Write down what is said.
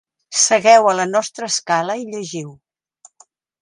Segueu a la nostra escala i llegiu.